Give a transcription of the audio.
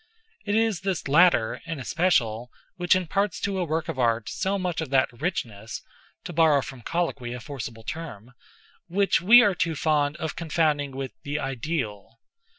It is this latter, in especial, which imparts to a work of art so much of that richness (to borrow from colloquy a forcible term) which we are too fond of confounding with the ideal.